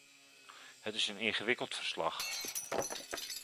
Het is een ingewikkeld verslag.